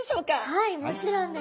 はいもちろんです。